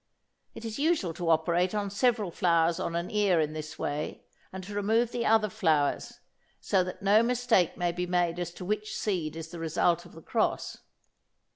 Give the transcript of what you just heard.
It is usual to operate on several flowers on an ear in this way, and to remove the other flowers, so that no mistake may be made as to which seed is the result of the cross.